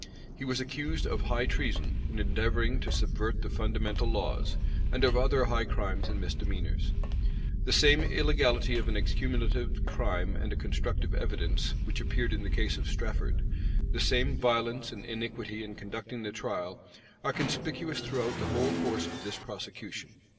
He was accused of high treason, in endeavoring to subvert the fundamental laws, and of other high crimes and misdemeanors. The same illegality of an accumulative crime and a constructive evidence which appeared in the case of Strafford, the same violence and iniquity in conducting the trial, are conspicuous throughout the whole course of this prosecution.